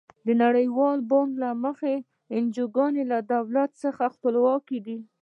د نړیوال بانک له مخې انجوګانې له دولت څخه خپلواکې دي.